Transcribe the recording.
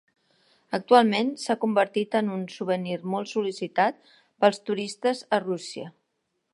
Actualment s'ha convertit en un souvenir molt sol·licitat pels turistes a Rússia.